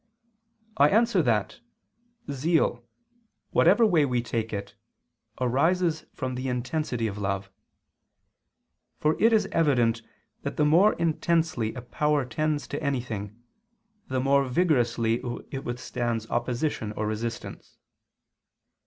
I answer that, Zeal, whatever way we take it, arises from the intensity of love. For it is evident that the more intensely a power tends to anything, the more vigorously it withstands opposition or resistance.